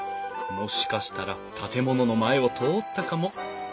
もしかしたら建物の前を通ったかも。